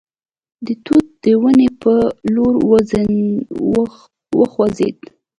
د توت د ونې په لور وخوځېد.